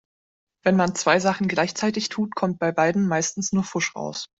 Wenn man zwei Sachen gleichzeitig tut, kommt bei beidem meistens nur Pfusch raus.